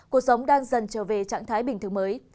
cuộc sống đang dần trở về trạng thái bình thường mới